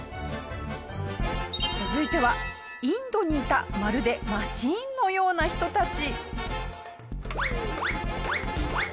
続いてはインドにいたまるでマシンのような人たち。